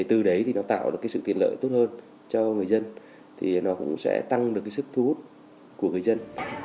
từ đấy nó tạo được sự tiền lợi tốt hơn cho người dân nó cũng sẽ tăng được sức thu hút của người dân